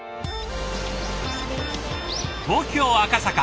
東京・赤坂。